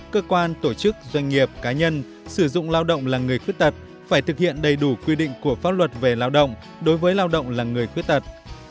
cơ quan tổ chức doanh nghiệp cá nhân sử dụng lao động là người khuyết tật phải thực hiện đầy đủ quy định của pháp luật về lao động đối với lao động là người khuyết tật